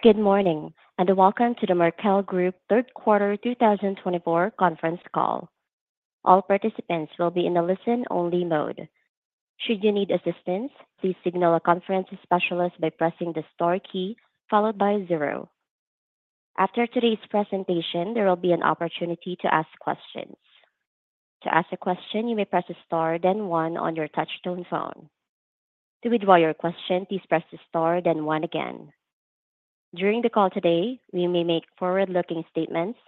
Good morning and welcome to the Markel Group Third Quarter 2024 conference call. All participants will be in a listen-only mode. Should you need assistance, please signal a conference specialist by pressing the star key followed by zero. After today's presentation, there will be an opportunity to ask questions. To ask a question, you may press the star, then one on your touch-tone phone. To withdraw your question, please press the star, then one again. During the call today, we may make forward-looking statements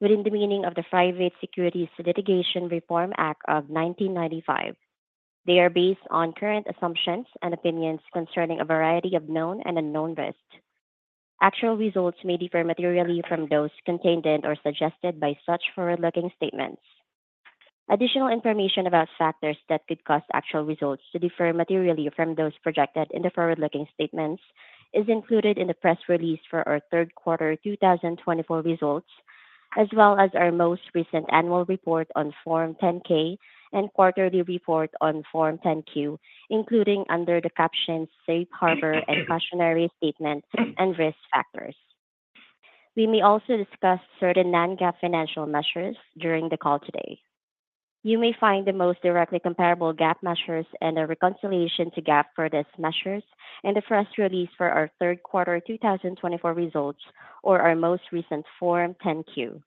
within the meaning of the Private Securities Litigation Reform Act of 1995. They are based on current assumptions and opinions concerning a variety of known and unknown risks. Actual results may differ materially from those contained in or suggested by such forward-looking statements. Additional information about factors that could cause actual results to differ materially from those projected in the forward-looking statements is included in the press release for our third quarter 2024 results, as well as our most recent annual report on Form 10-K and quarterly report on Form 10-Q, including under the captions "Safe Harbor" and "Cautionary Statement" and "Risk Factors." We may also discuss certain non-GAAP financial measures during the call today. You may find the most directly comparable GAAP measures and a reconciliation to GAAP for these measures in the press release for our third quarter 2024 results or our most recent Form 10-Q.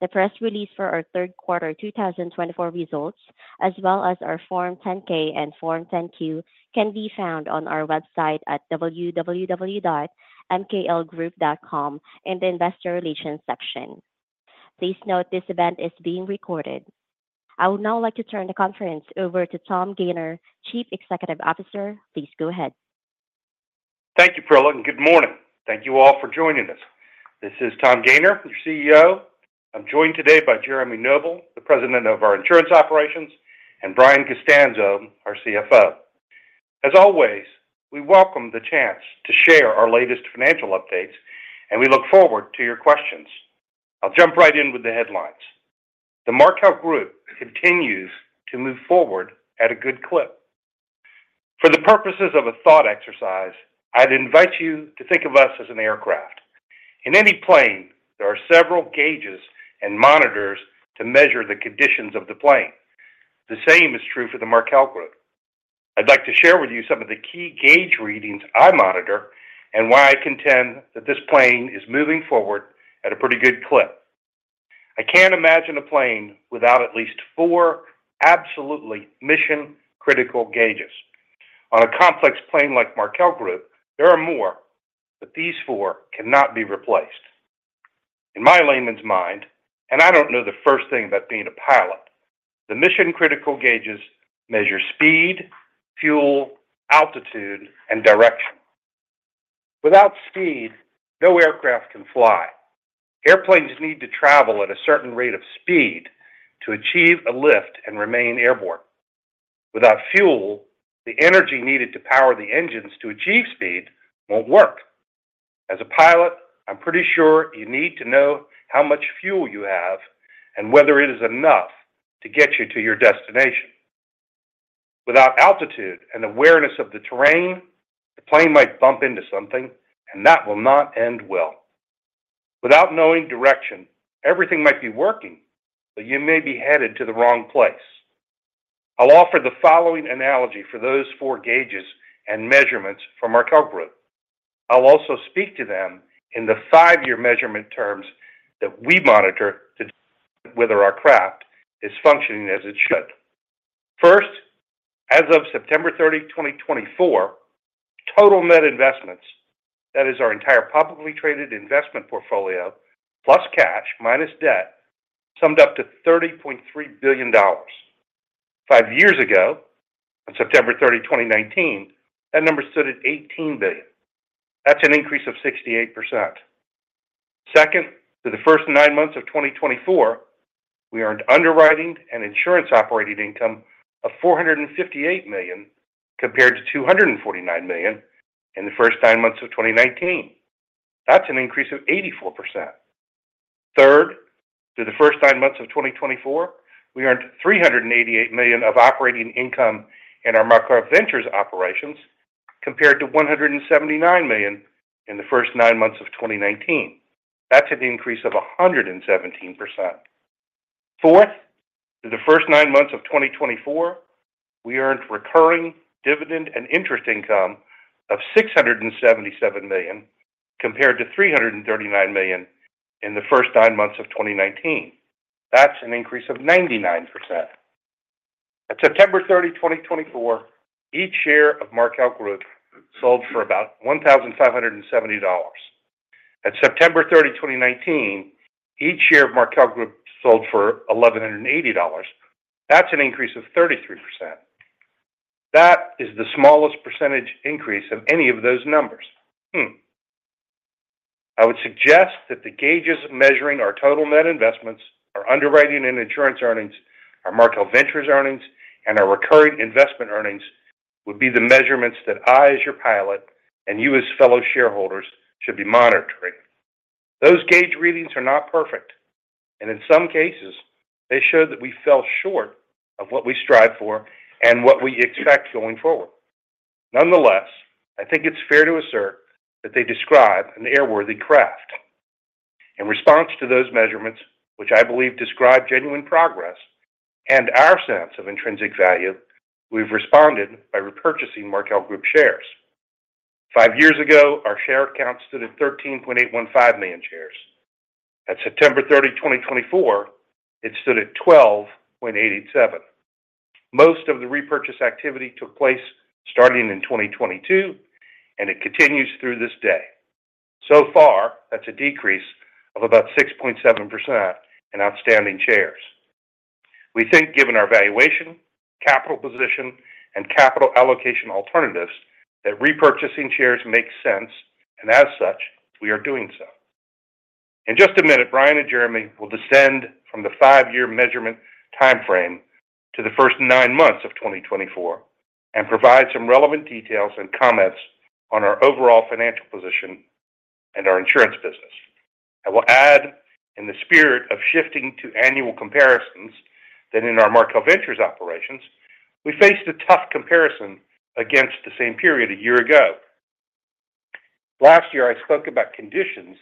The press release for our third quarter 2024 results, as well as our Form 10-K and Form 10-Q, can be found on our website at www.mklgroup.com in the Investor Relations section. Please note this event is being recorded. I would now like to turn the conference over to Tom Gayner, Chief Executive Officer. Please go ahead. Thank you, Perla. Good morning. Thank you all for joining us. This is Tom Gayner, your CEO. I'm joined today by Jeremy Noble, the President of our Insurance Operations, and Brian Costanzo, our CFO. As always, we welcome the chance to share our latest financial updates, and we look forward to your questions. I'll jump right in with the headlines. The Markel Group continues to move forward at a good clip. For the purposes of a thought exercise, I'd invite you to think of us as an aircraft. In any plane, there are several gauges and monitors to measure the conditions of the plane. The same is true for the Markel Group. I'd like to share with you some of the key gauge readings I monitor and why I contend that this plane is moving forward at a pretty good clip. I can't imagine a plane without at least four absolutely mission-critical gauges. On a complex plane like Markel Group, there are more, but these four cannot be replaced. In my layman's mind, and I don't know the first thing about being a pilot, the mission-critical gauges measure speed, fuel, altitude, and direction. Without speed, no aircraft can fly. Airplanes need to travel at a certain rate of speed to achieve a lift and remain airborne. Without fuel, the energy needed to power the engines to achieve speed won't work. As a pilot, I'm pretty sure you need to know how much fuel you have and whether it is enough to get you to your destination. Without altitude and awareness of the terrain, the plane might bump into something, and that will not end well. Without knowing direction, everything might be working, but you may be headed to the wrong place. I'll offer the following analogy for those four gauges and measurements from Markel Group. I'll also speak to them in the five-year measurement terms that we monitor to determine whether our craft is functioning as it should. First, as of September 30, 2024, total net investments, that is our entire publicly traded investment portfolio, plus cash, minus debt, summed up to $30.3 billion. Five years ago, on September 30, 2019, that number stood at $18 billion. That's an increase of 68%. Second, for the first nine months of 2024, we earned underwriting and insurance operating income of $458 million compared to $249 million in the first nine months of 2019. That's an increase of 84%. Third, through the first nine months of 2024, we earned $388 million of operating income in our Markel Ventures operations compared to $179 million in the first nine months of 2019. That's an increase of 117%. Fourth, through the first nine months of 2024, we earned recurring dividend and interest income of $677 million compared to $339 million in the first nine months of 2019. That's an increase of 99%. At September 30, 2024, each share of Markel Group sold for about $1,570. At September 30, 2019, each share of Markel Group sold for $1,180. That's an increase of 33%. That is the smallest percentage increase of any of those numbers. I would suggest that the gauges measuring our total net investments, our underwriting and insurance earnings, our Markel Ventures earnings, and our recurring investment earnings would be the measurements that I, as your pilot, and you as fellow shareholders should be monitoring. Those gauge readings are not perfect, and in some cases, they show that we fell short of what we strive for and what we expect going forward. Nonetheless, I think it's fair to assert that they describe an airworthy craft. In response to those measurements, which I believe describe genuine progress and our sense of intrinsic value, we've responded by repurchasing Markel Group shares. Five years ago, our share count stood at 13.815 million shares. At September 30, 2024, it stood at 12.87. Most of the repurchase activity took place starting in 2022, and it continues through this day. So far, that's a decrease of about 6.7% in outstanding shares. We think, given our valuation, capital position, and capital allocation alternatives, that repurchasing shares makes sense, and as such, we are doing so. In just a minute, Brian and Jeremy will descend from the five-year measurement timeframe to the first nine months of 2024 and provide some relevant details and comments on our overall financial position and our insurance business. I will add, in the spirit of shifting to annual comparisons, that in our Markel Ventures operations, we faced a tough comparison against the same period a year ago. Last year, I spoke about conditions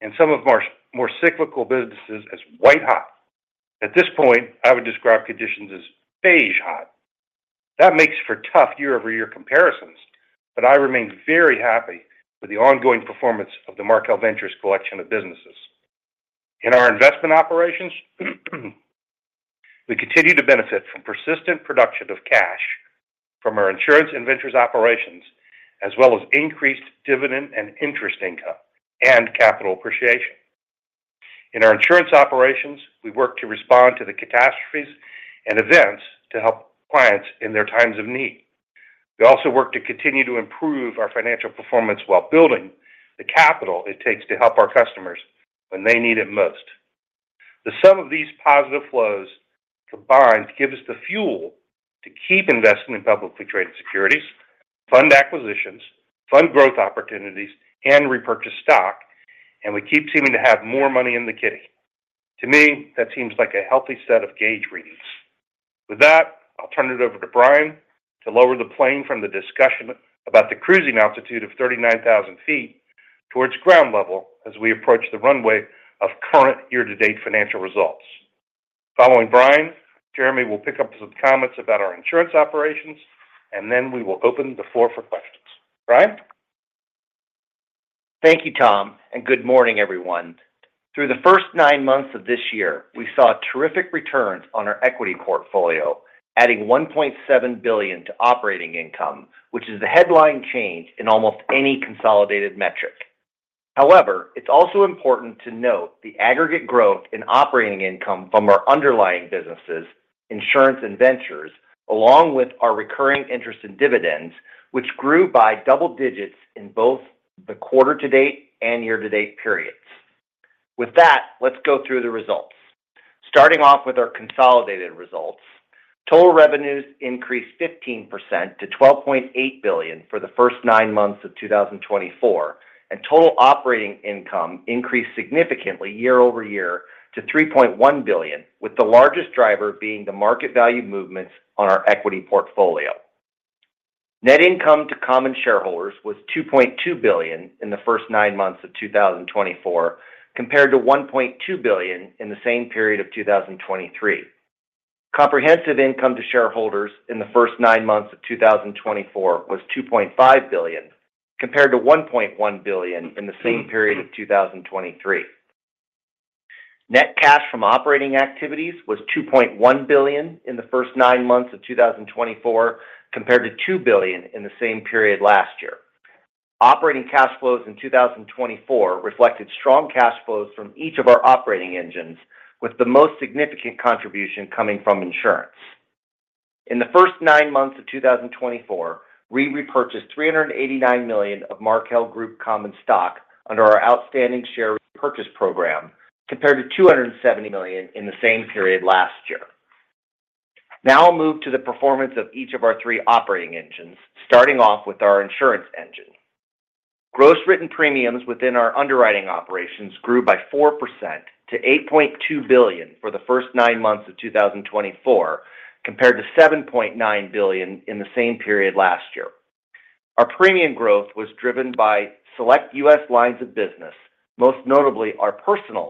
in some of our more cyclical businesses as white-hot. At this point, I would describe conditions as beige-hot. That makes for tough year-over-year comparisons, but I remain very happy with the ongoing performance of the Markel Ventures collection of businesses. In our investment operations, we continue to benefit from persistent production of cash from our insurance and Ventures operations, as well as increased dividend and interest income and capital appreciation. In our insurance operations, we work to respond to the catastrophes and events to help clients in their times of need. We also work to continue to improve our financial performance while building the capital it takes to help our customers when they need it most. The sum of these positive flows combined gives us the fuel to keep investing in publicly traded securities, fund acquisitions, fund growth opportunities, and repurchase stock, and we keep seeming to have more money in the kitty. To me, that seems like a healthy set of gauge readings. With that, I'll turn it over to Brian to lower the plane from the discussion about the cruising altitude of 39,000 feet towards ground level as we approach the runway of current year-to-date financial results. Following Brian, Jeremy will pick up some comments about our insurance operations, and then we will open the floor for questions. Brian? Thank you, Tom, and good morning, everyone. Through the first nine months of this year, we saw terrific returns on our equity portfolio, adding $1.7 billion to operating income, which is the headline change in almost any consolidated metric. However, it's also important to note the aggregate growth in operating income from our underlying businesses, insurance and ventures, along with our recurring interest and dividends, which grew by double digits in both the quarter-to-date and year-to-date periods. With that, let's go through the results. Starting off with our consolidated results, total revenues increased 15% to $12.8 billion for the first nine months of 2024, and total operating income increased significantly year-over-year to $3.1 billion, with the largest driver being the market value movements on our equity portfolio. Net income to common shareholders was $2.2 billion in the first nine months of 2024, compared to $1.2 billion in the same period of 2023. Comprehensive income to shareholders in the first nine months of 2024 was $2.5 billion, compared to $1.1 billion in the same period of 2023. Net cash from operating activities was $2.1 billion in the first nine months of 2024, compared to $2 billion in the same period last year. Operating cash flows in 2024 reflected strong cash flows from each of our operating engines, with the most significant contribution coming from insurance. In the first nine months of 2024, we repurchased $389 million of Markel Group common stock under our outstanding share repurchase program, compared to $270 million in the same period last year. Now I'll move to the performance of each of our three operating engines, starting off with our insurance engine. Gross written premiums within our underwriting operations grew by 4% to $8.2 billion for the first nine months of 2024, compared to $7.9 billion in the same period last year. Our premium growth was driven by select U.S. lines of business, most notably our personal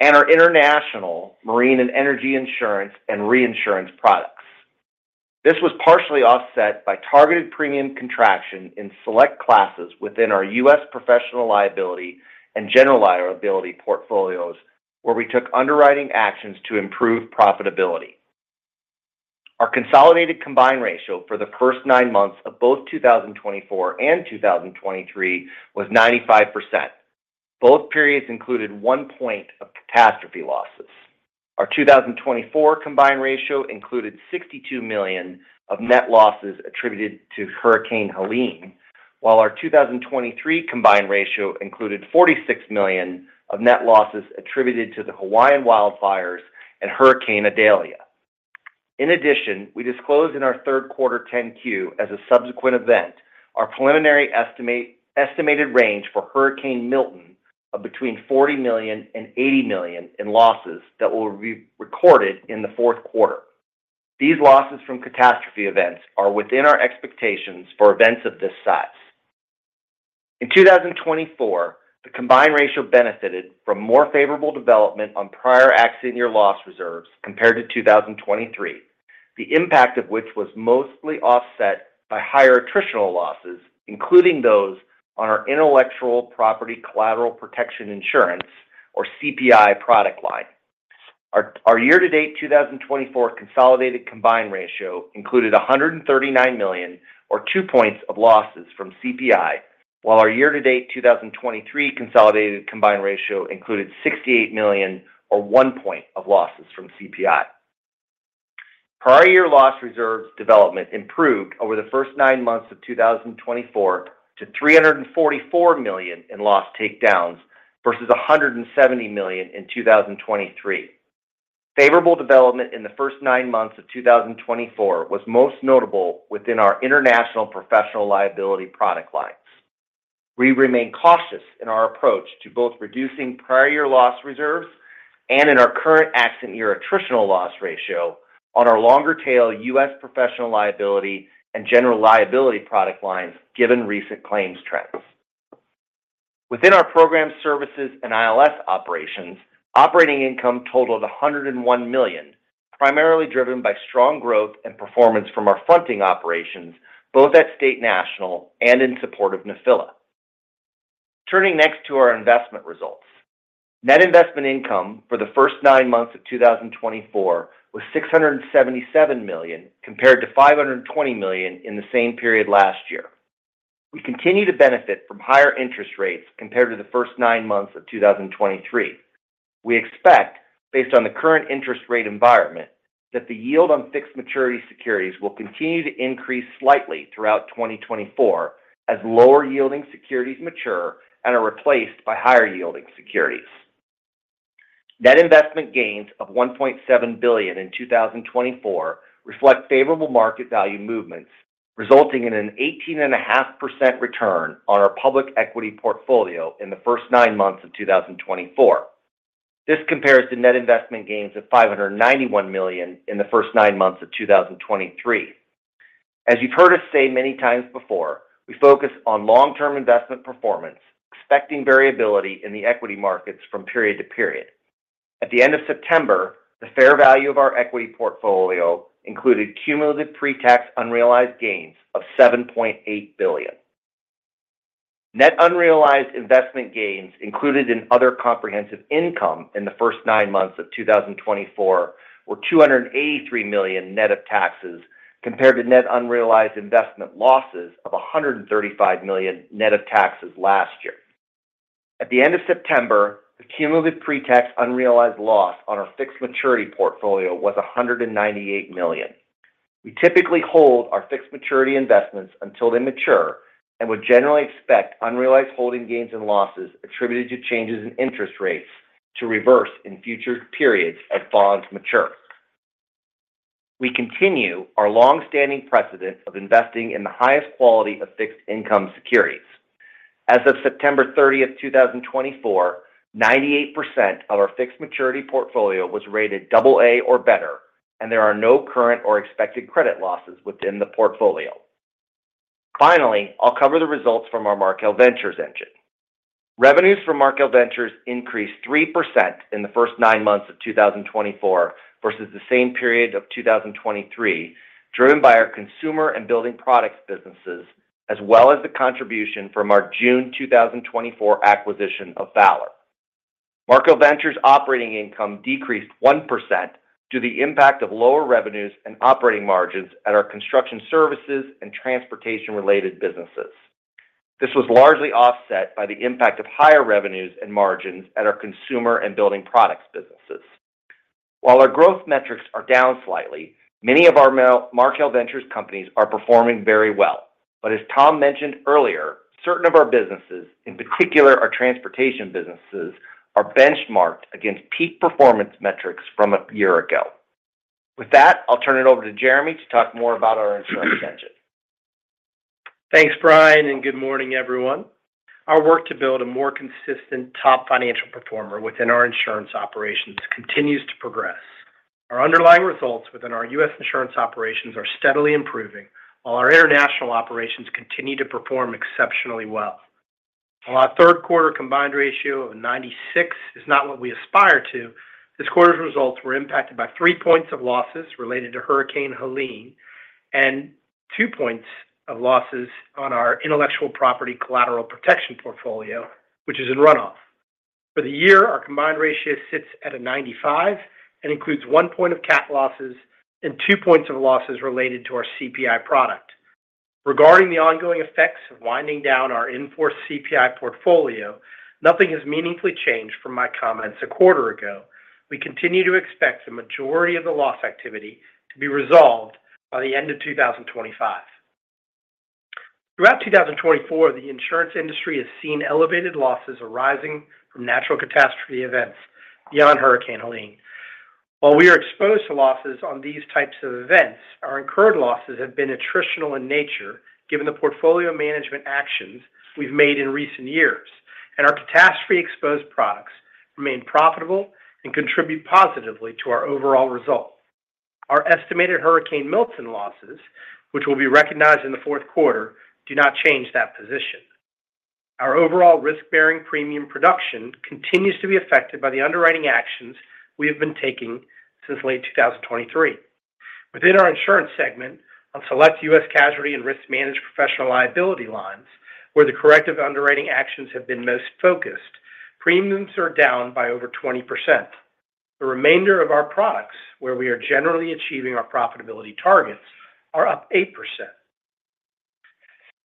lines, and our international marine and energy insurance and reinsurance products. This was partially offset by targeted premium contraction in select classes within our U.S. professional liability and general liability portfolios, where we took underwriting actions to improve profitability. Our consolidated combined ratio for the first nine months of both 2024 and 2023 was 95%. Both periods included one point of catastrophe losses. Our 2024 combined ratio included $62 million of net losses attributed to Hurricane Helene, while our 2023 combined ratio included $46 million of net losses attributed to the Hawaiian wildfires and Hurricane Idalia. In addition, we disclosed in our third quarter 10-Q as a subsequent event our preliminary estimated range for Hurricane Milton of between $40 million and $80 million in losses that will be recorded in the fourth quarter. These losses from catastrophe events are within our expectations for events of this size. In 2024, the combined ratio benefited from more favorable development on prior accident-year loss reserves compared to 2023, the impact of which was mostly offset by higher attritional losses, including those on our intellectual property collateral protection insurance, or CPI, product line. Our year-to-date 2024 consolidated combined ratio included $139 million, or two points of losses, from CPI, while our year-to-date 2023 consolidated combined ratio included $68 million, or one point of losses, from CPI. Prior year loss reserves development improved over the first nine months of 2024 to $344 million in loss takedowns versus $170 million in 2023. Favorable development in the first nine months of 2024 was most notable within our international professional liability product lines. We remain cautious in our approach to both reducing prior year loss reserves and in our current accident-year attritional loss ratio on our longer-tail U.S. professional liability and general liability product lines, given recent claims trends. Within our program services and ILS operations, operating income totaled $101 million, primarily driven by strong growth and performance from our fronting operations, both at State National, and in support of Nephila. Turning next to our investment results, net investment income for the first nine months of 2024 was $677 million, compared to $520 million in the same period last year. We continue to benefit from higher interest rates compared to the first nine months of 2023. We expect, based on the current interest rate environment, that the yield on fixed maturity securities will continue to increase slightly throughout 2024 as lower-yielding securities mature and are replaced by higher-yielding securities. Net investment gains of $1.7 billion in 2024 reflect favorable market value movements, resulting in an 18.5% return on our public equity portfolio in the first nine months of 2024. This compares to net investment gains of $591 million in the first nine months of 2023. As you've heard us say many times before, we focus on long-term investment performance, expecting variability in the equity markets from period to period. At the end of September, the fair value of our equity portfolio included cumulative pre-tax unrealized gains of $7.8 billion. Net unrealized investment gains included in other comprehensive income in the first nine months of 2024 were $283 million net of taxes, compared to net unrealized investment losses of $135 million net of taxes last year. At the end of September, the cumulative pre-tax unrealized loss on our fixed maturity portfolio was $198 million. We typically hold our fixed maturity investments until they mature and would generally expect unrealized holding gains and losses attributed to changes in interest rates to reverse in future periods as bonds mature. We continue our long-standing precedent of investing in the highest quality of fixed income securities. As of September 30, 2024, 98% of our fixed maturity portfolio was rated AA or better, and there are no current or expected credit losses within the portfolio. Finally, I'll cover the results from our Markel Ventures engine. Revenues from Markel Ventures increased 3% in the first nine months of 2024 versus the same period of 2023, driven by our consumer and building products businesses, as well as the contribution from our June 2024 acquisition of Valor. Markel Ventures' operating income decreased 1% due to the impact of lower revenues and operating margins at our construction services and transportation-related businesses. This was largely offset by the impact of higher revenues and margins at our consumer and building products businesses. While our growth metrics are down slightly, many of our Markel Ventures companies are performing very well. But as Tom mentioned earlier, certain of our businesses, in particular our transportation businesses, are benchmarked against peak performance metrics from a year ago. With that, I'll turn it over to Jeremy to talk more about our insurance engine. Thanks, Brian, and good morning, everyone. Our work to build a more consistent top financial performer within our insurance operations continues to progress. Our underlying results within our U.S. insurance operations are steadily improving, while our international operations continue to perform exceptionally well. While our third quarter combined ratio of 96% is not what we aspire to, this quarter's results were impacted by three points of losses related to Hurricane Helene and two points of losses on our intellectual property collateral protection portfolio, which is in runoff. For the year, our combined ratio sits at a 95% and includes one point of cat losses and two points of losses related to our CPI product. Regarding the ongoing effects of winding down our in-force CPI portfolio, nothing has meaningfully changed from my comments a quarter ago. We continue to expect the majority of the loss activity to be resolved by the end of 2025. Throughout 2024, the insurance industry has seen elevated losses arising from natural catastrophe events beyond Hurricane Helene. While we are exposed to losses on these types of events, our incurred losses have been attritional in nature, given the portfolio management actions we've made in recent years, and our catastrophe-exposed products remain profitable and contribute positively to our overall result. Our estimated Hurricane Milton losses, which will be recognized in the fourth quarter, do not change that position. Our overall risk-bearing premium production continues to be affected by the underwriting actions we have been taking since late 2023. Within our insurance segment, on select U.S. casualty and risk-managed professional liability lines, where the corrective underwriting actions have been most focused, premiums are down by over 20%. The remainder of our products, where we are generally achieving our profitability targets, are up 8%.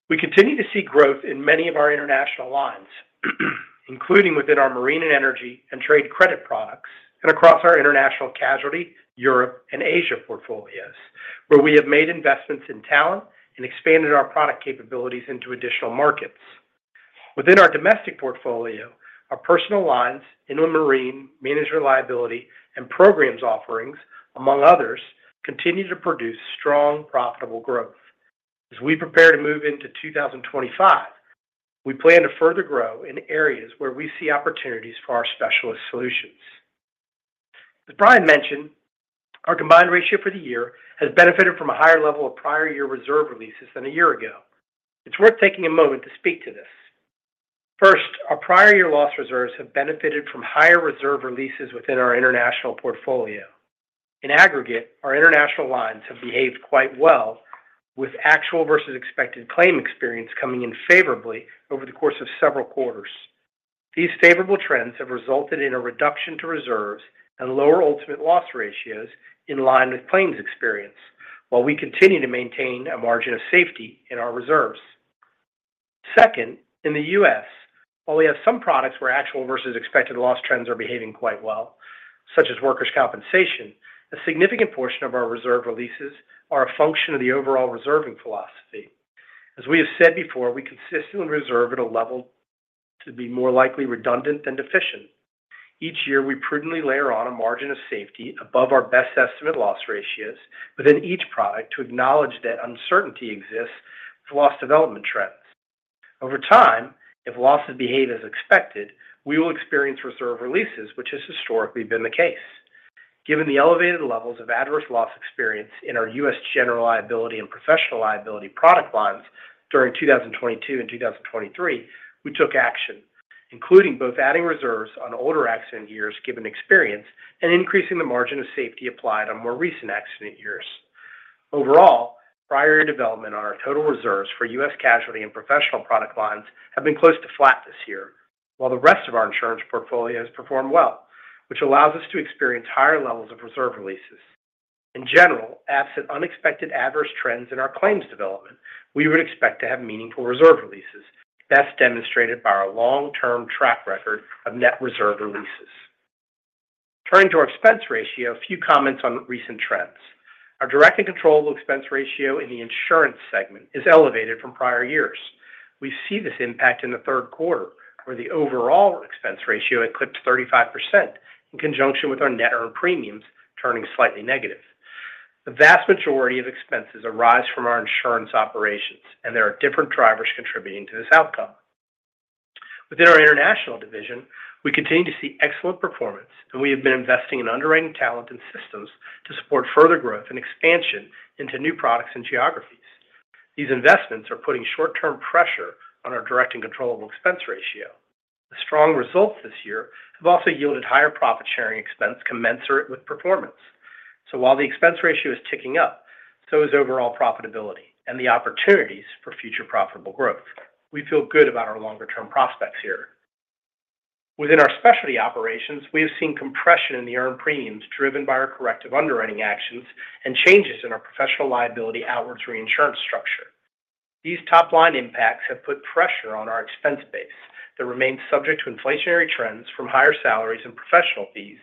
We continue to see growth in many of our international lines, including within our Marine and Energy and Trade Credit products and across our international casualty, Europe, and Asia portfolios, where we have made investments in talent and expanded our product capabilities into additional markets. Within our domestic portfolio, our Personal Lines, Inland Marine, management liability, and programs offerings, among others, continue to produce strong, profitable growth. As we prepare to move into 2025, we plan to further grow in areas where we see opportunities for our specialist solutions. As Brian mentioned, our combined ratio for the year has benefited from a higher level of prior year reserve releases than a year ago. It's worth taking a moment to speak to this. First, our prior year loss reserves have benefited from higher reserve releases within our international portfolio. In aggregate, our international lines have behaved quite well, with actual versus expected claim experience coming in favorably over the course of several quarters. These favorable trends have resulted in a reduction to reserves and lower ultimate loss ratios in line with claims experience, while we continue to maintain a margin of safety in our reserves. Second, in the U.S., while we have some products where actual versus expected loss trends are behaving quite well, such as workers' compensation, a significant portion of our reserve releases are a function of the overall reserving philosophy. As we have said before, we consistently reserve at a level to be more likely redundant than deficient. Each year, we prudently layer on a margin of safety above our best estimate loss ratios within each product to acknowledge that uncertainty exists with loss development trends. Over time, if losses behave as expected, we will experience reserve releases, which has historically been the case. Given the elevated levels of adverse loss experience in our U.S. general liability and professional liability product lines during 2022 and 2023, we took action, including both adding reserves on older accident years given experience and increasing the margin of safety applied on more recent accident years. Overall, prior year development on our total reserves for U.S. casualty and professional product lines has been close to flat this year, while the rest of our insurance portfolio has performed well, which allows us to experience higher levels of reserve releases. In general, absent unexpected adverse trends in our claims development, we would expect to have meaningful reserve releases, best demonstrated by our long-term track record of net reserve releases. Turning to our expense ratio, a few comments on recent trends. Our direct and controllable expense ratio in the insurance segment is elevated from prior years. We see this impact in the third quarter, where the overall expense ratio eclipsed 35% in conjunction with our net earned premiums turning slightly negative. The vast majority of expenses arise from our insurance operations, and there are different drivers contributing to this outcome. Within our international division, we continue to see excellent performance, and we have been investing in underwriting talent and systems to support further growth and expansion into new products and geographies. These investments are putting short-term pressure on our direct and controllable expense ratio. The strong results this year have also yielded higher profit-sharing expense commensurate with performance. So while the expense ratio is ticking up, so is overall profitability and the opportunities for future profitable growth. We feel good about our longer-term prospects here. Within our specialty operations, we have seen compression in the earned premiums driven by our corrective underwriting actions and changes in our professional liability outwards reinsurance structure. These top-line impacts have put pressure on our expense base that remains subject to inflationary trends from higher salaries and professional fees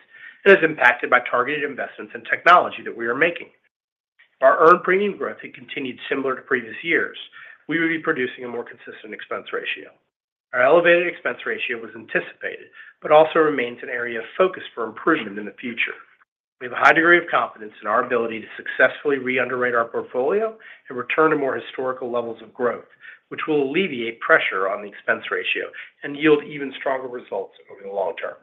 that are impacted by targeted investments in technology that we are making. If our earned premium growth had continued similar to previous years, we would be producing a more consistent expense ratio. Our elevated expense ratio was anticipated, but also remains an area of focus for improvement in the future. We have a high degree of confidence in our ability to successfully re-underwrite our portfolio and return to more historical levels of growth, which will alleviate pressure on the expense ratio and yield even stronger results over the long term.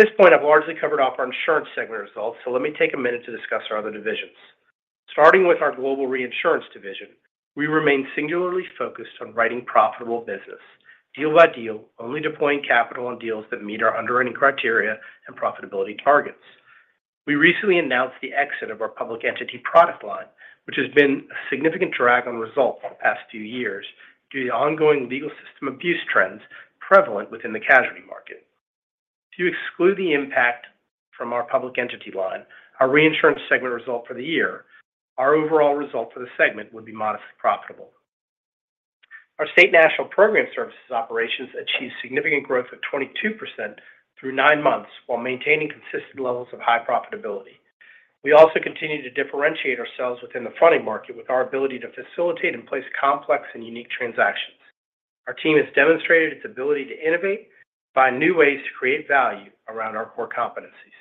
At this point, I've largely covered off our insurance segment results, so let me take a minute to discuss our other divisions. Starting with our global reinsurance division, we remain singularly focused on writing profitable business, deal by deal, only deploying capital on deals that meet our underwriting criteria and profitability targets. We recently announced the exit of our Public Entity product line, which has been a significant drag on results for the past few years due to the ongoing legal system abuse trends prevalent within the casualty market. To exclude the impact from our Public Entity line, our reinsurance segment result for the year, our overall result for the segment would be modestly profitable. Our State National program services operations achieved significant growth of 22% through nine months while maintaining consistent levels of high profitability. We also continue to differentiate ourselves within the fronting market with our ability to facilitate and place complex and unique transactions. Our team has demonstrated its ability to innovate and find new ways to create value around our core competencies.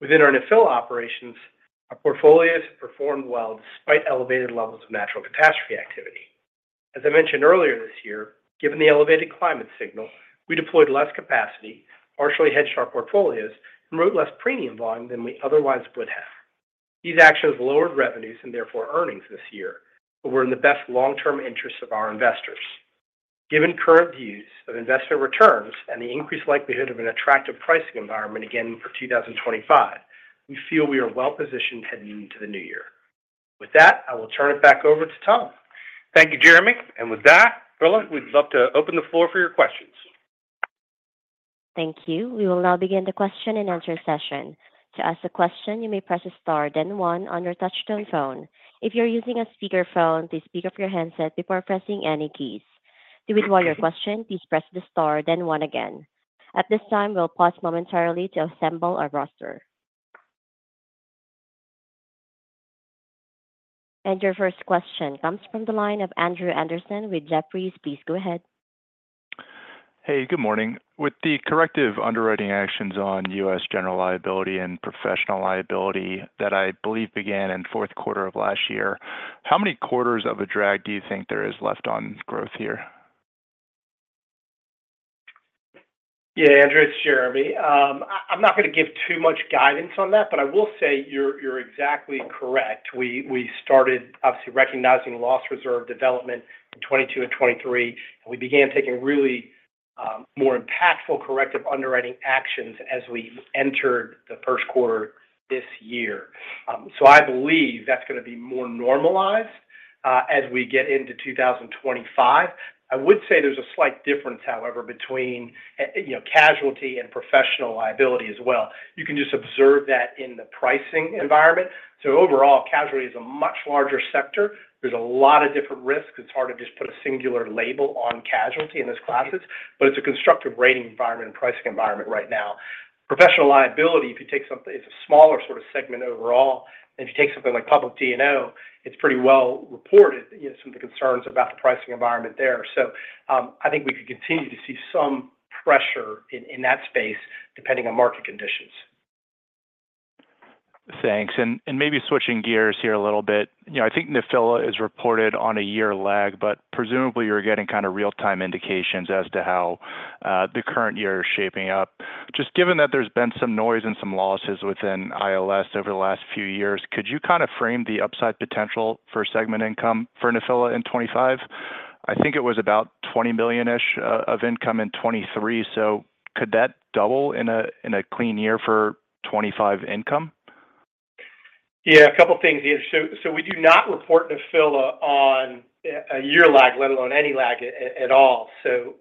Within our NFIL operations, our portfolios have performed well despite elevated levels of natural catastrophe activity. As I mentioned earlier this year, given the elevated climate signal, we deployed less capacity, partially hedged our portfolios, and wrote less premium volume than we otherwise would have. These actions lowered revenues and therefore earnings this year, but were in the best long-term interests of our investors. Given current views of investment returns and the increased likelihood of an attractive pricing environment again for 2025, we feel we are well positioned heading into the new year. With that, I will turn it back over to Tom. Thank you, Jeremy. And with that, Perla, we'd love to open the floor for your questions. Thank you. We will now begin the question and answer session. To ask a question, you may press the star, then one, on your touch-tone phone. If you're using a speakerphone, please speak off your headset before pressing any keys. To withdraw your question, please press the star, then one again. At this time, we'll pause momentarily to assemble our roster. And your first question comes from the line of Andrew Andersen with Jefferies. Please go ahead. Hey, good morning. With the corrective underwriting actions on U.S. general liability and professional liability that I believe began in the fourth quarter of last year, how many quarters of a drag do you think there is left on growth here? Yeah, Andrew, it's Jeremy. I'm not going to give too much guidance on that, but I will say you're exactly correct. We started, obviously, recognizing loss reserve development in 2022 and 2023, and we began taking really more impactful corrective underwriting actions as we entered the first quarter this year. So I believe that's going to be more normalized as we get into 2025. I would say there's a slight difference, however, between casualty and professional liability as well. You can just observe that in the pricing environment. So overall, casualty is a much larger sector. There's a lot of different risks. It's hard to just put a singular label on casualty in those classes, but it's a constructive rating environment and pricing environment right now. Professional liability, if you take something, it's a smaller sort of segment overall. If you take something like Public D&O, it's pretty well reported some of the concerns about the pricing environment there. So I think we could continue to see some pressure in that space depending on market conditions. Thanks. And maybe switching gears here a little bit, I think NFIL is reported on a year lag, but presumably you're getting kind of real-time indications as to how the current year is shaping up. Just given that there's been some noise and some losses within ILS over the last few years, could you kind of frame the upside potential for segment income for NFIL in 2025? I think it was about $20 million-ish of income in 2023. So could that double in a clean year for 2025 income? Yeah, a couple of things here. So we do not report NFIL on a year lag, let alone any lag at all. So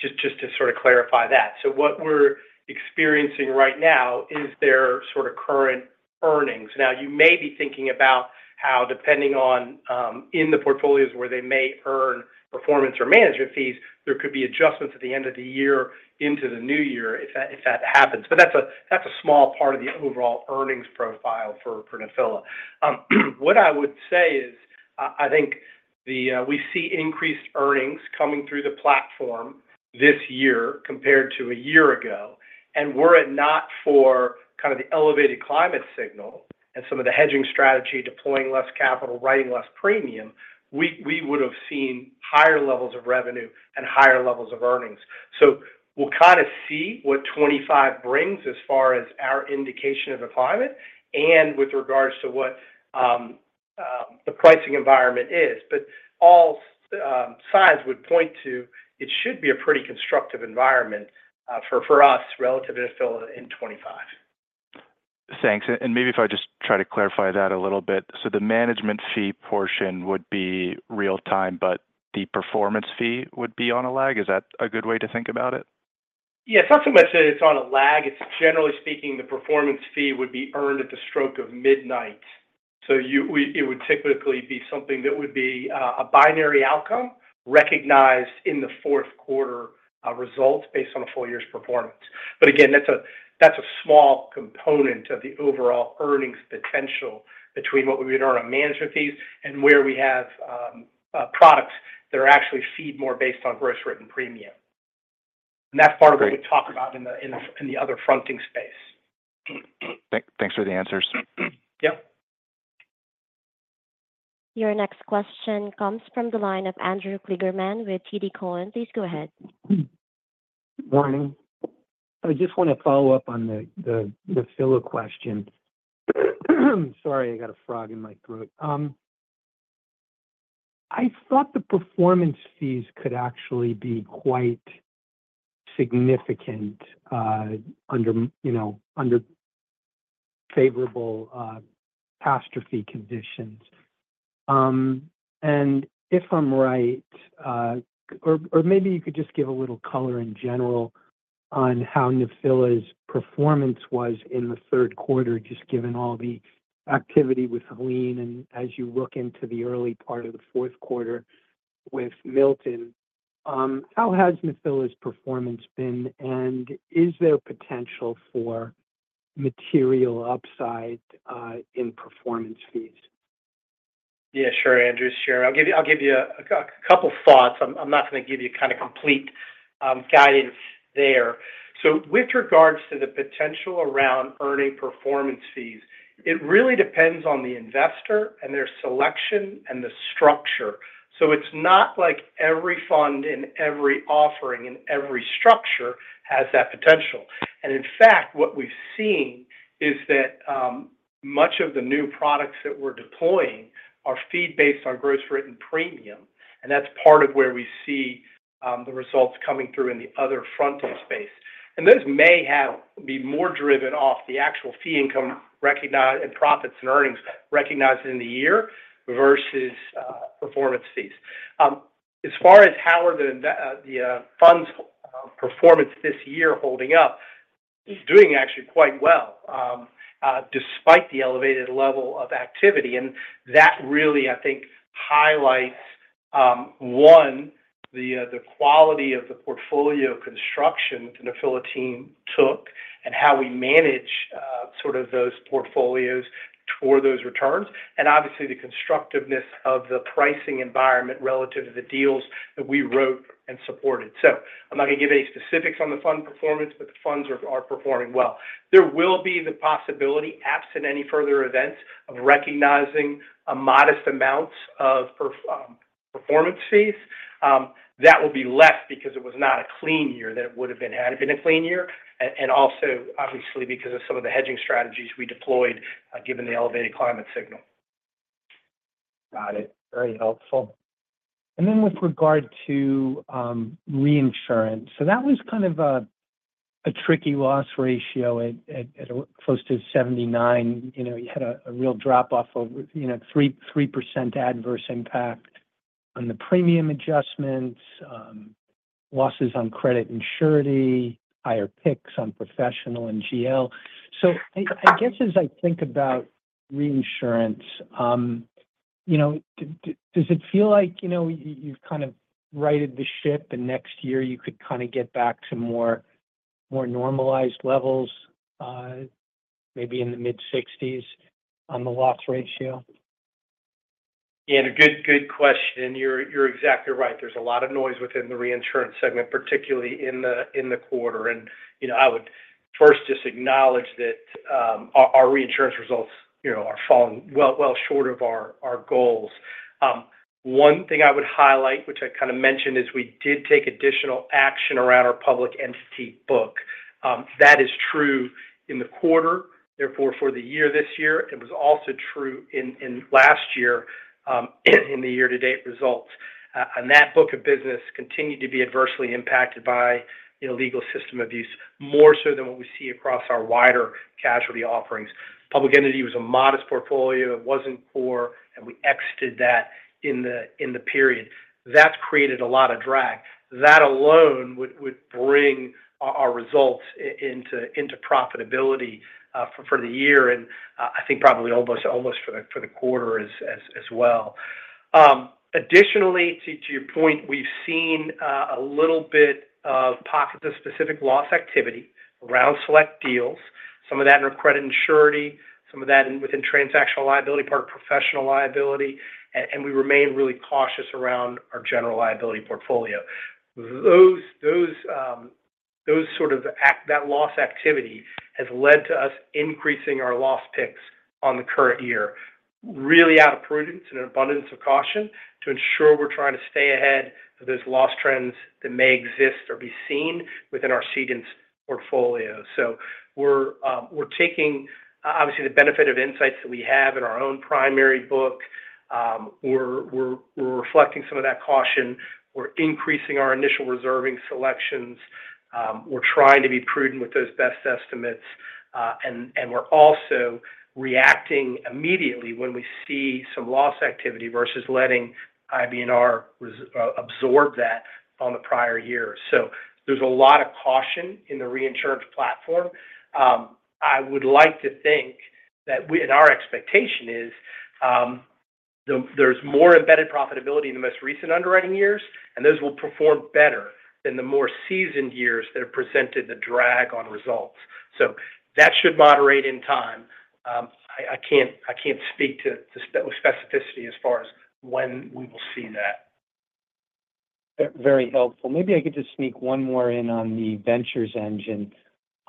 just to sort of clarify that. So what we're experiencing right now is their sort of current earnings. Now, you may be thinking about how, depending on in the portfolios where they may earn performance or management fees, there could be adjustments at the end of the year into the new year if that happens. But that's a small part of the overall earnings profile for NFIL. What I would say is I think we see increased earnings coming through the platform this year compared to a year ago. And were it not for kind of the elevated climate signal and some of the hedging strategy, deploying less capital, writing less premium, we would have seen higher levels of revenue and higher levels of earnings. So we'll kind of see what 2025 brings as far as our indication of the climate and with regards to what the pricing environment is. But all signs would point to it should be a pretty constructive environment for us relative to NFIL in 2025. Thanks. And maybe if I just try to clarify that a little bit. So the management fee portion would be real-time, but the performance fee would be on a lag. Is that a good way to think about it? Yeah, it's not so much that it's on a lag. It's generally speaking, the performance fee would be earned at the stroke of midnight. So it would typically be something that would be a binary outcome recognized in the fourth quarter results based on a full year's performance. But again, that's a small component of the overall earnings potential between what we would earn on management fees and where we have products that actually fee more based on gross written premium. And that's part of what we talk about in the other fronting space. Thanks for the answers. Yep. Your next question comes from the line of Andrew Kligerman with TD Cowen. Please go ahead. Morning. I just want to follow up on the NFIL question. Sorry, I got a frog in my throat. I thought the performance fees could actually be quite significant under favorable catastrophe conditions. And if I'm right, or maybe you could just give a little color in general on how NFIL's performance was in the third quarter, just given all the activity with Helene and as you look into the early part of the fourth quarter with Milton. How has NFIL's performance been, and is there potential for material upside in performance fees? Yeah, sure, Andrew, sure. I'll give you a couple of thoughts. I'm not going to give you kind of complete guidance there. So with regards to the potential around earning performance fees, it really depends on the investor and their selection and the structure. So it's not like every fund and every offering and every structure has that potential. And in fact, what we've seen is that much of the new products that we're deploying are fee-based on gross written premium. And that's part of where we see the results coming through in the other fronting space. And those may be more driven off the actual fee income and profits and earnings recognized in the year versus performance fees. As far as how are the funds' performance this year holding up, doing actually quite well despite the elevated level of activity. And that really, I think, highlights, one, the quality of the portfolio construction that NFIL took, and how we manage sort of those portfolios toward those returns, and obviously the constructiveness of the pricing environment relative to the deals that we wrote and supported. So I'm not going to give any specifics on the fund performance, but the funds are performing well. There will be the possibility, absent any further events, of recognizing modest amounts of performance fees. That will be left because it was not a clean year that it would have been had been a clean year. And also, obviously, because of some of the hedging strategies we deployed given the elevated climate signal. Got it. Very helpful. And then with regard to reinsurance, so that was kind of a tricky loss ratio at close to 79%. You had a real drop-off of 3% adverse impact on the premium adjustments, losses on credit and surety, higher picks on professional and GL. So I guess as I think about reinsurance, does it feel like you've kind of righted the ship and next year you could kind of get back to more normalized levels, maybe in the mid-60s% on the loss ratio? Yeah, good question. You're exactly right. There's a lot of noise within the reinsurance segment, particularly in the quarter. And I would first just acknowledge that our reinsurance results are falling well short of our goals. One thing I would highlight, which I kind of mentioned, is we did take additional action around our Public Entity book. That is true in the quarter. Therefore, for the year this year, it was also true in last year in the year-to-date results. And that book of business continued to be adversely impacted by legal system abuse, more so than what we see across our wider casualty offerings. Public Entity was a modest portfolio. It wasn't core, and we exited that in the period. That's created a lot of drag. That alone would bring our results into profitability for the year, and I think probably almost for the quarter as well. Additionally, to your point, we've seen a little bit of pockets of specific loss activity around select deals, some of that in credit and surety, some of that within transactional liability part of professional liability, and we remain really cautious around our general liability portfolio. That loss activity has led to us increasing our loss picks on the current year, really out of prudence and an abundance of caution to ensure we're trying to stay ahead of those loss trends that may exist or be seen within our ceding portfolio. So we're taking, obviously, the benefit of insights that we have in our own primary book. We're reflecting some of that caution. We're increasing our initial reserving selections. We're trying to be prudent with those best estimates. And we're also reacting immediately when we see some loss activity versus letting IBNR absorb that on the prior year. So there's a lot of caution in the reinsurance platform. I would like to think that our expectation is there's more embedded profitability in the most recent underwriting years, and those will perform better than the more seasoned years that have presented the drag on results. So that should moderate in time. I can't speak to specificity as far as when we will see that. Very helpful. Maybe I could just sneak one more in on the ventures engine.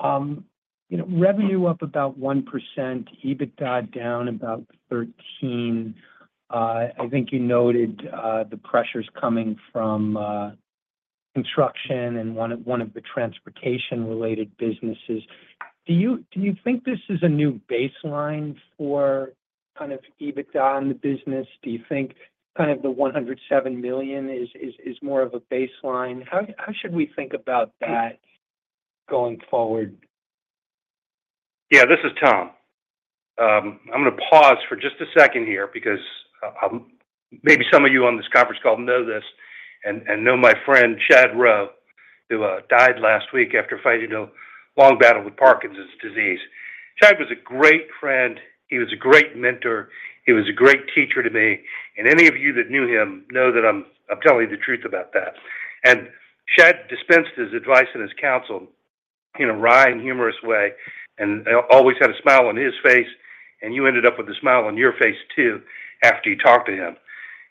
Revenue up about 1%, EBITDA down about 13%. I think you noted the pressures coming from construction and one of the transportation-related businesses. Do you think this is a new baseline for kind of EBITDA in the business? Do you think kind of the $107 million is more of a baseline? How should we think about that going forward? Yeah, this is Tom. I'm going to pause for just a second here because maybe some of you on this conference call know this and know my friend Shad Rowe, who died last week after fighting a long battle with Parkinson's disease. Chad was a great friend. He was a great mentor. He was a great teacher to me. And any of you that knew him know that I'm telling you the truth about that. And Chad dispensed his advice and his counsel in a wry and humorous way, and always had a smile on his face. And you ended up with a smile on your face too after you talked to him.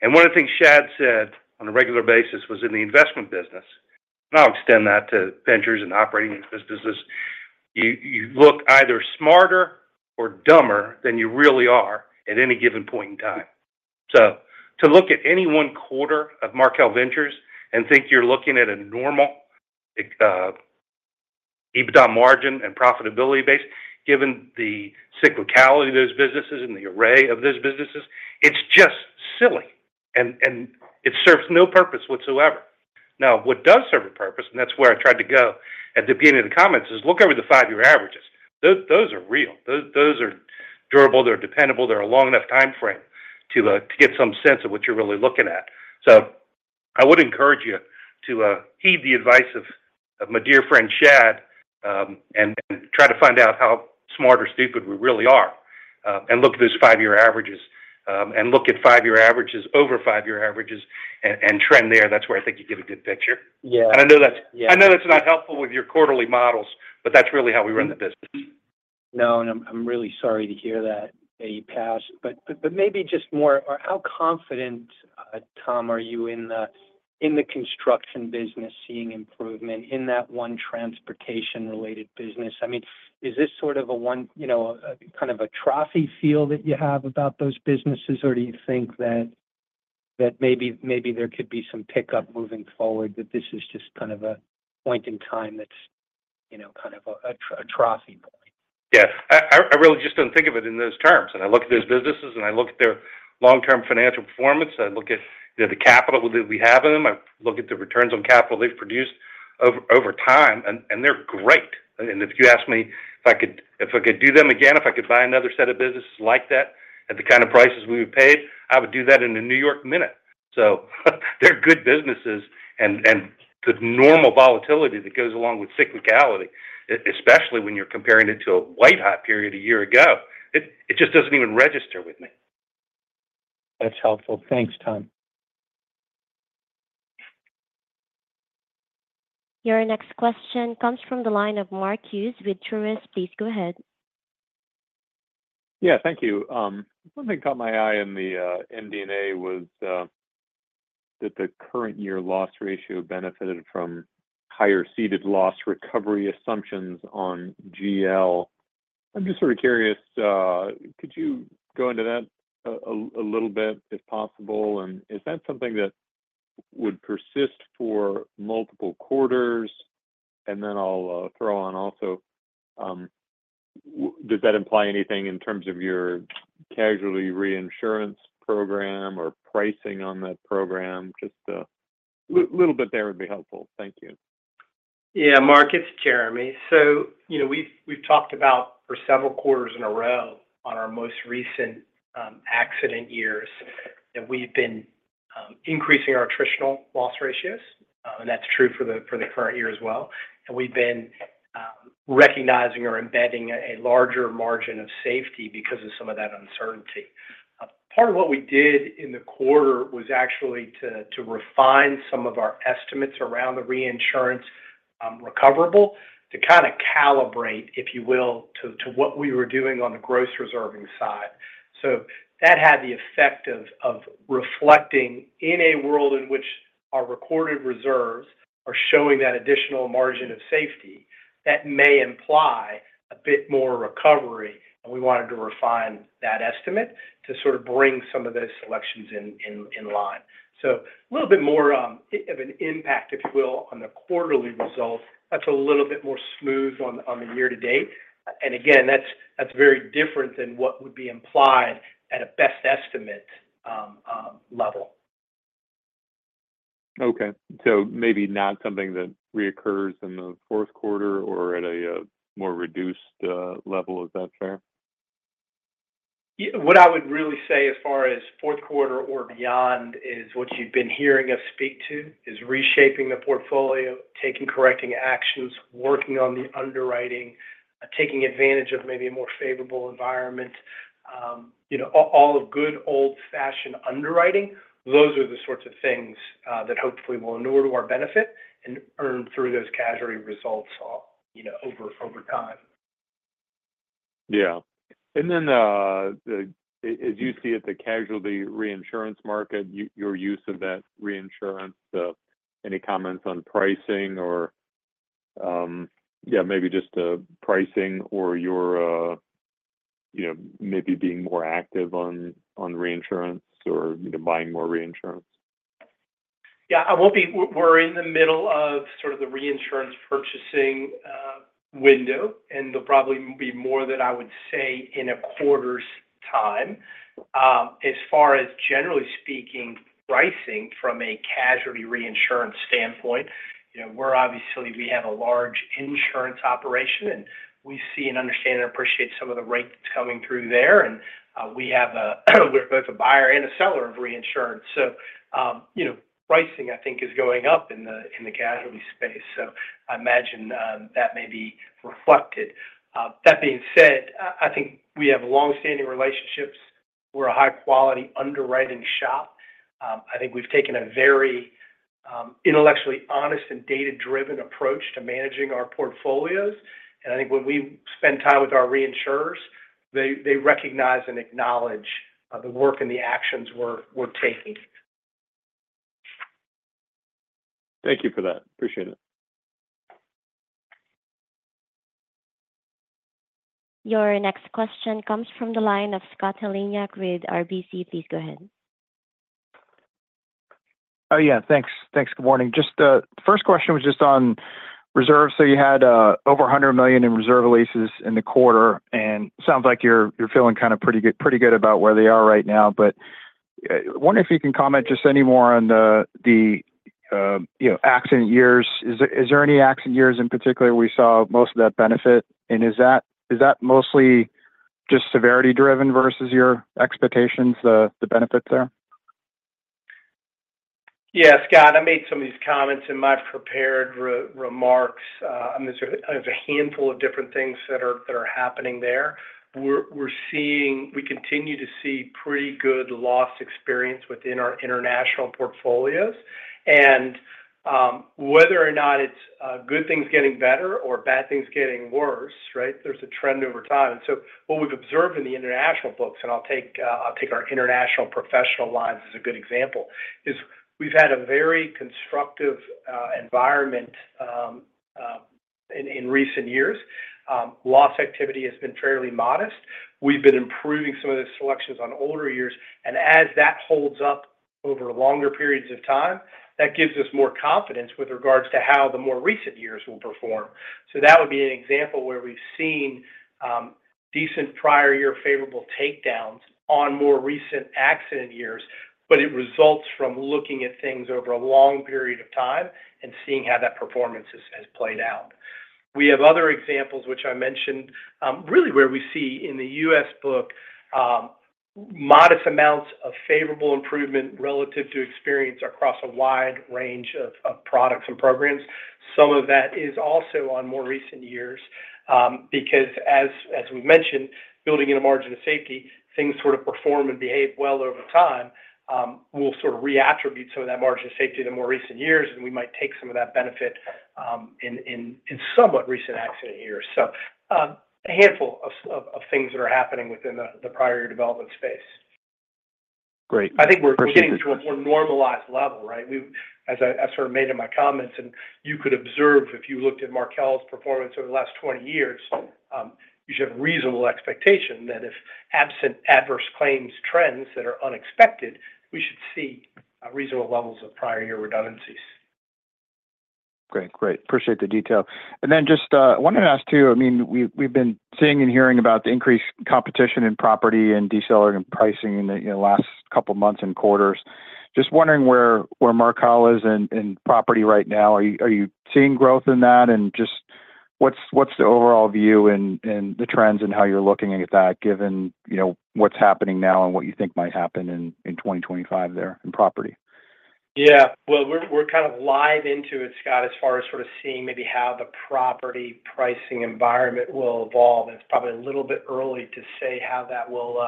One of the things Chad said on a regular basis was in the investment business, and I'll extend that to ventures and operating businesses, you look either smarter or dumber than you really are at any given point in time. So to look at any one quarter of Markel Ventures and think you're looking at a normal EBITDA margin and profitability base given the cyclicality of those businesses and the array of those businesses, it's just silly. And it serves no purpose whatsoever. Now, what does serve a purpose, and that's where I tried to go at the beginning of the comments, is look over the five-year averages. Those are real. Those are durable. They're dependable. They're a long enough timeframe to get some sense of what you're really looking at. So I would encourage you to heed the advice of my dear friend Chad and try to find out how smart or stupid we really are and look at those five-year averages and look at five-year averages over five-year averages and trend there. That's where I think you get a good picture. Yeah. I know that's not helpful with your quarterly models, but that's really how we run the business. No, and I'm really sorry to hear that you passed. But maybe just more, how confident, Tom, are you in the construction business seeing improvement in that one transportation-related business? I mean, is this sort of a kind of a trough feel that you have about those businesses, or do you think that maybe there could be some pickup moving forward, that this is just kind of a point in time that's kind of a trough point? Yes. I really just don't think of it in those terms. And I look at those businesses, and I look at their long-term financial performance. I look at the capital that we have in them. I look at the returns on capital they've produced over time, and they're great. And if you ask me if I could do them again, if I could buy another set of businesses like that at the kind of prices we were paid, I would do that in a New York minute. So they're good businesses. And the normal volatility that goes along with cyclicality, especially when you're comparing it to a white-hot period a year ago, it just doesn't even register with me. That's helpful. Thanks, Tom. Your next question comes from the line of Mark Hughes with Truist. Please go ahead. Yeah, thank you. One thing caught my eye in the MD&A was that the current year loss ratio benefited from higher ceded loss recovery assumptions on GL. I'm just sort of curious, could you go into that a little bit if possible? And is that something that would persist for multiple quarters? And then I'll throw on also, does that imply anything in terms of your casualty reinsurance program or pricing on that program? Just a little bit there would be helpful. Thank you. Yeah, Mark, it's Jeremy. So we've talked about for several quarters in a row on our most recent accident years, that we've been increasing our attritional loss ratios. And that's true for the current year as well. And we've been recognizing or embedding a larger margin of safety because of some of that uncertainty. Part of what we did in the quarter was actually to refine some of our estimates around the reinsurance recoverable to kind of calibrate, if you will, to what we were doing on the gross reserving side. So that had the effect of reflecting in a world in which our recorded reserves are showing that additional margin of safety, that may imply a bit more recovery. And we wanted to refine that estimate to sort of bring some of those selections in line. So a little bit more of an impact, if you will, on the quarterly results. That's a little bit more smooth on the year-to-date. And again, that's very different than what would be implied at a best estimate level. Okay. So maybe not something that reoccurs in the fourth quarter or at a more reduced level. Is that fair? What I would really say as far as fourth quarter or beyond is what you've been hearing us speak to is reshaping the portfolio, taking correcting actions, working on the underwriting, taking advantage of maybe a more favorable environment, all of good old-fashioned underwriting. Those are the sorts of things that hopefully will redound to our benefit and earn through those casualty results over time. Yeah, and then as you see it, the casualty reinsurance market, your use of that reinsurance, any comments on pricing or, yeah, maybe just pricing or your maybe being more active on reinsurance or buying more reinsurance? Yeah. We're in the middle of sort of the reinsurance purchasing window, and there'll probably be more that I would say in a quarter's time. As far as generally speaking, pricing from a casualty reinsurance standpoint, we're obviously we have a large insurance operation, and we see and understand and appreciate some of the rate that's coming through there. And we have a we're both a buyer and a seller of reinsurance. So pricing, I think, is going up in the casualty space. So I imagine that may be reflected. That being said, I think we have long-standing relationships. We're a high-quality underwriting shop. I think we've taken a very intellectually honest and data-driven approach to managing our portfolios. And I think when we spend time with our reinsurers, they recognize and acknowledge the work and the actions we're taking. Thank you for that. Appreciate it. Your next question comes from the line of Scott Heleniak with RBC. Please go ahead. Oh, yeah. Thanks. Thanks. Good morning. Just the first question was just on reserves. So you had over $100 million in reserve releases in the quarter. And it sounds like you're feeling kind of pretty good about where they are right now. But I wonder if you can comment just any more on the accident years. Is there any accident years in particular we saw most of that benefit? And is that mostly just severity-driven versus your expectations, the benefit there? Yeah, Scott, I made some of these comments in my prepared remarks. I mean, there's a handful of different things that are happening there. We continue to see pretty good loss experience within our international portfolios. And whether or not it's good things getting better or bad things getting worse, right, there's a trend over time. And so what we've observed in the international books, and I'll take our international professional lines as a good example, is we've had a very constructive environment in recent years. Loss activity has been fairly modest. We've been improving some of those selections on older years. And as that holds up over longer periods of time, that gives us more confidence with regards to how the more recent years will perform. So that would be an example where we've seen decent prior year favorable takedowns on more recent accident years, but it results from looking at things over a long period of time and seeing how that performance has played out. We have other examples, which I mentioned, really where we see in the U.S. book, modest amounts of favorable improvement relative to experience across a wide range of products and programs. Some of that is also on more recent years because, as we've mentioned, building in a margin of safety, things sort of perform and behave well over time. We'll sort of reattribute some of that margin of safety in the more recent years, and we might take some of that benefit in somewhat recent accident years. So a handful of things that are happening within the prior year development space. Great. I think we're getting to a more normalized level, right? As I sort of made in my comments, and you could observe if you looked at Markel's performance over the last 20 years, you should have a reasonable expectation that if absent adverse claims trends that are unexpected, we should see reasonable levels of prior year redundancies. Great. Great. Appreciate the detail. And then just wanted to ask too, I mean, we've been seeing and hearing about the increased competition in property and decelerating pricing in the last couple of months and quarters. Just wondering where Markel is in property right now. Are you seeing growth in that? And just what's the overall view and the trends and how you're looking at that given what's happening now and what you think might happen in 2025 there in property? Yeah. Well, we're kind of live into it, Scott, as far as sort of seeing maybe how the property pricing environment will evolve. It's probably a little bit early to say how that will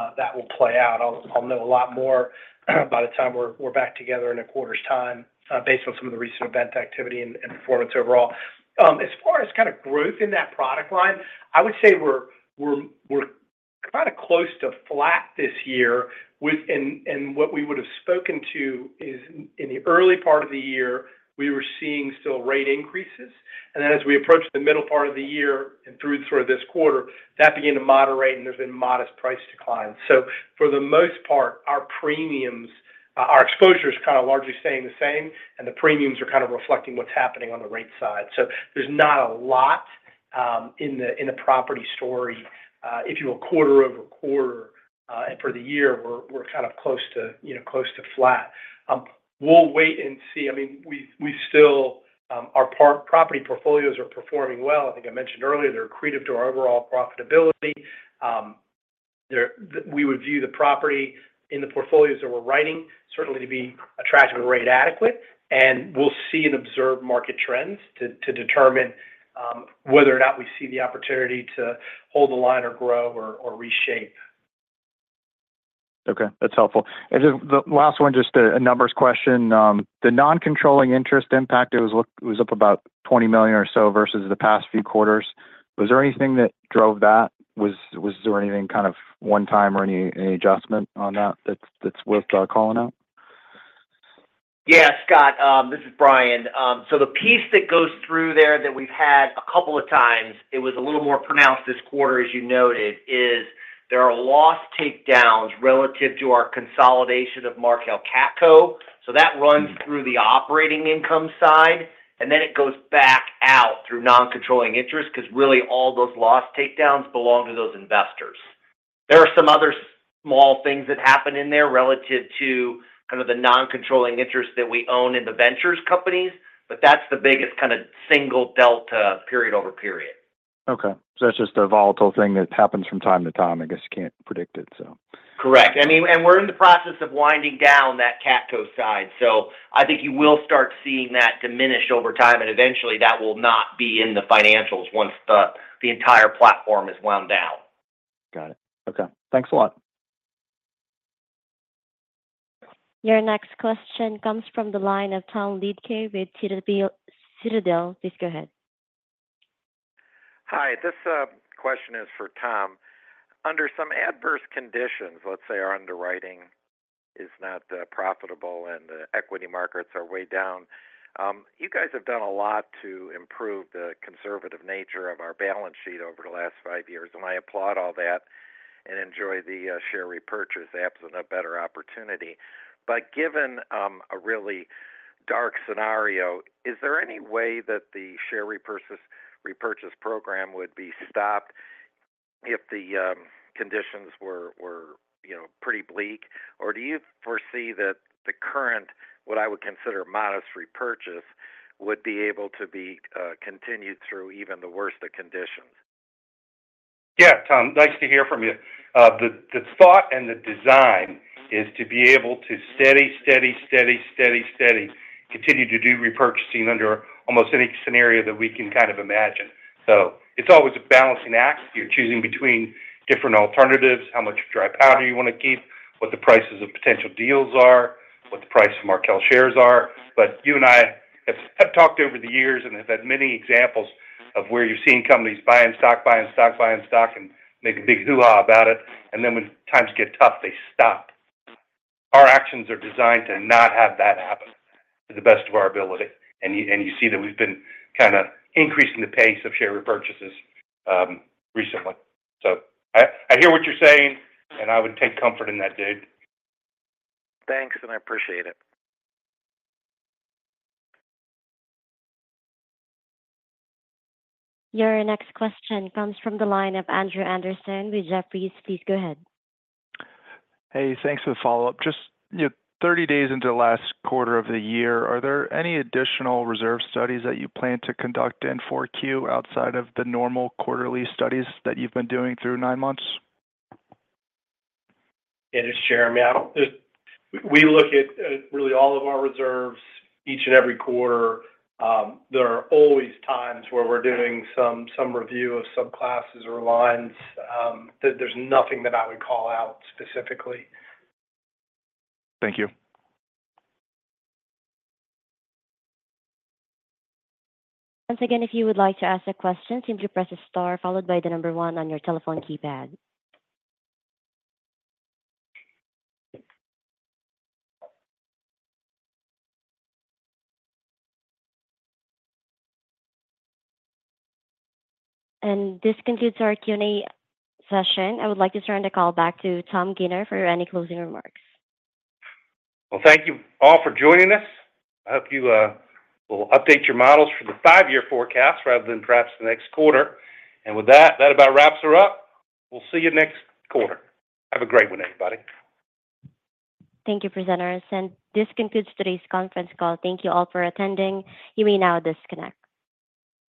play out. I'll know a lot more by the time we're back together in a quarter's time based on some of the recent event activity and performance overall. As far as kind of growth in that product line, I would say we're kind of close to flat this year. And what we would have spoken to is in the early part of the year, we were seeing still rate increases. And then as we approached the middle part of the year and through sort of this quarter, that began to moderate, and there's been modest price declines. So for the most part, our exposure is kind of largely staying the same, and the premiums are kind of reflecting what's happening on the rate side. So there's not a lot in the property story, if you will, quarter over quarter. And for the year, we're kind of close to flat. We'll wait and see. I mean, we still our property portfolios are performing well. I think I mentioned earlier, they're accretive to our overall profitability. We would view the property in the portfolios that we're writing certainly to be attractive and rate adequate. And we'll see and observe market trends to determine whether or not we see the opportunity to hold the line or grow or reshape. Okay. That's helpful. And the last one, just a numbers question. The non-controlling interest impact, it was up about $20 million or so versus the past few quarters. Was there anything that drove that? Was there anything kind of one-time or any adjustment on that that's worth calling out? Yeah, Scott, this is Brian. So the piece that goes through there that we've had a couple of times, it was a little more pronounced this quarter, as you noted, is there are loss takedowns relative to our consolidation of Markel CATCo. So that runs through the operating income side, and then it goes back out through non-controlling interest because really all those loss takedowns belong to those investors. There are some other small things that happen in there relative to kind of the non-controlling interest that we own in the ventures companies, but that's the biggest kind of single delta period over period. Okay. So that's just a volatile thing that happens from time to time. I guess you can't predict it, so. Correct. And we're in the process of winding down that CATCo side. So I think you will start seeing that diminish over time. And eventually, that will not be in the financials once the entire platform is wound down. Got it. Okay. Thanks a lot. Your next question comes from the line of Tom Litke with Citadel. Please go ahead. Hi. This question is for Tom. Under some adverse conditions, let's say our underwriting is not profitable and the equity markets are way down, you guys have done a lot to improve the conservative nature of our balance sheet over the last five years, and I applaud all that and enjoy the share repurchase. That's a better opportunity, but given a really dark scenario, is there any way that the share repurchase program would be stopped if the conditions were pretty bleak? Or do you foresee that the current, what I would consider modest repurchase, would be able to be continued through even the worst of conditions? Yeah, Tom, nice to hear from you. The thought and the design is to be able to steady continue to do repurchasing under almost any scenario that we can kind of imagine. So it's always a balancing act. You're choosing between different alternatives, how much dry powder you want to keep, what the prices of potential deals are, what the price of Markel shares are. But you and I have talked over the years and have had many examples of where you've seen companies buying stock, buying stock, buying stock, and make a big hoopla about it. And then when times get tough, they stop. Our actions are designed to not have that happen to the best of our ability. And you see that we've been kind of increasing the pace of share repurchases recently. I hear what you're saying, and I would take comfort in that bid. Thanks, and I appreciate it. Your next question comes from the line of Andrew Andersen with Jefferies. Please go ahead. Hey, thanks for the follow-up. Just 30 days into the last quarter of the year, are there any additional reserve studies that you plan to conduct in Q4 outside of the normal quarterly studies that you've been doing through nine months? Yeah, just share with me. We look at really all of our reserves each and every quarter. There are always times where we're doing some review of subclasses or lines. There's nothing that I would call out specifically. Thank you. Once again, if you would like to ask a question, simply press a star followed by the number one on your telephone keypad, and this concludes our Q&A session. I would like to turn the call back to Tom Gayner for any closing remarks. Well, thank you all for joining us. I hope you will update your models for the five-year forecast rather than perhaps the next quarter. And with that, about wraps her up. We'll see you next quarter. Have a great one, everybody. Thank you, presenters. And this concludes today's conference call. Thank you all for attending. You may now disconnect.